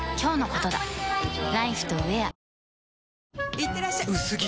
いってらっしゃ薄着！